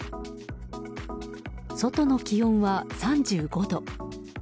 外の気温は３５度。